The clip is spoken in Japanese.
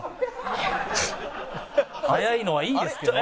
速いのはいいですけど。